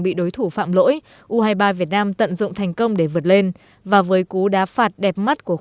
bị đối thủ phạm lỗi u hai mươi ba việt nam tận dụng thành công để vượt lên và với cú đá phạt đẹp mắt của